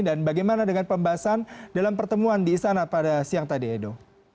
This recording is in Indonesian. dan bagaimana dengan pembahasan dalam pertemuan di istana pada siang tadi edo